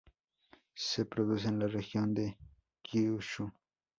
Se produce en la región de Kyūshū.